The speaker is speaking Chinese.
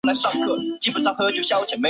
实验室常用的是氢氧化铯一水合物。